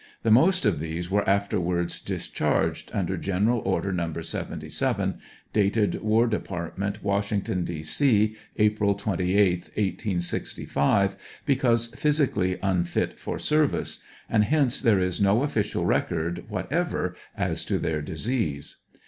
The most of these were afterwards discharged under General Order No. 77, dated War Department, Washington, D. C, April 28th, 1865, because physically unfit for service, and hence there is no ofii cial record whatever as to their disease.